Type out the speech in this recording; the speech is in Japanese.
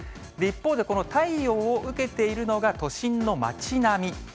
一方でこの太陽を受けているのが、都心の町並み。